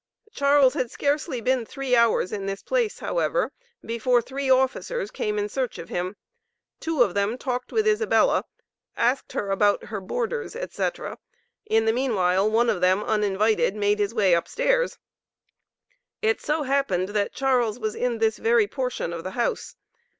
Charles had scarcely been three hours in this place, however, before three officers came in search of him. Two of them talked with Isabella, asked her about her "boarders," etc.; in the meanwhile, one of them uninvited, made his way up stairs. It so happened, that Charles was in this very portion of the house.